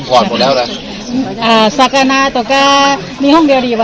วันน่าระวันก็จะไม่เหลือแล้วนะ